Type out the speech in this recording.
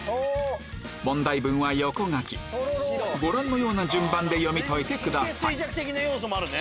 問題文は横書きご覧のような順番で読み解いてください